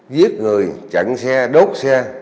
giết người chặn xe đốt xe